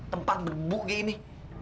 tempat debu kayak gini